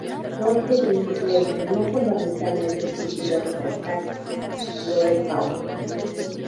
George Grimm le enseñó fundamentalmente pintura de paisajes, flora y fauna.